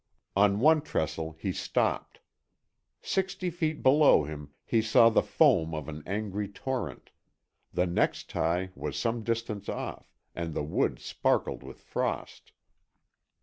On one trestle he stopped. Sixty feet below him, he saw the foam of an angry torrent; the next tie was some distance off, and the wood sparkled with frost.